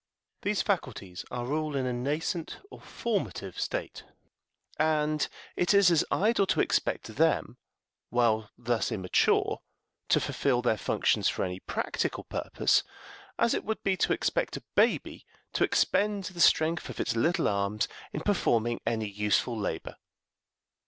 These faculties are all in a nascent or formative state, and it is as idle to expect them, while thus immature, to fulfill their functions for any practical purpose, as it would be to expect a baby to expend the strength of its little arms in performing any useful labor.